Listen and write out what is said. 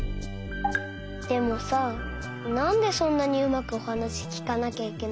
でもさなんでそんなにうまくおはなしきかなきゃいけないの？